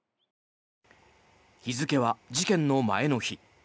日付は事件の前の日。